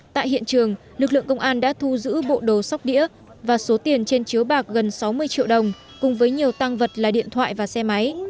tại hiện trường lực lượng công an đã thu giữ bộ đồ sóc đĩa và số tiền trên chiếu bạc gần sáu mươi triệu đồng cùng với nhiều tăng vật là điện thoại và xe máy